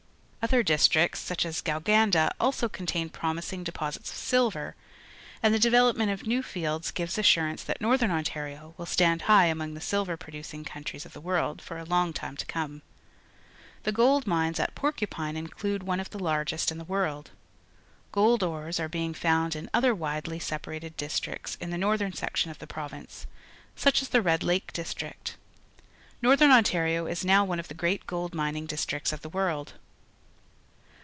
Other districts, such as Gomganda, also contain promismg deposits of silver, and the de velopment of new fields gives assurance that Northern Ontario will stand high among the silver producing countries of the world for a long time to come. The gold mines at Porcupine include one of the largest in the world. Gold ores are being found in other widely separated districts in the northern section of the province, such as the Red Z/aA'f. district. JSjorthern Ontario is now one of the great_gold mining dis tricts of the world.